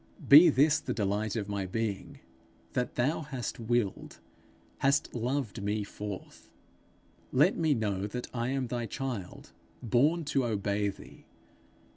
Be this the delight of my being, that thou hast willed, hast loved me forth; let me know that I am thy child, born to obey thee.